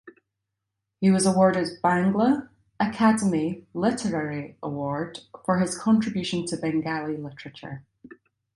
He was awarded Bangla Academy Literary Award for his contribution to Bengali literature.